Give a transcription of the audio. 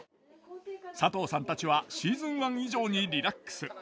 佐藤さんたちはシーズン１以上にリラックス。